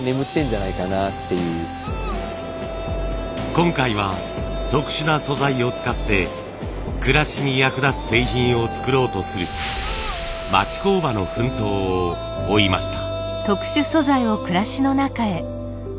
今回は特殊な素材を使って暮らしに役立つ製品を作ろうとする町工場の奮闘を追いました。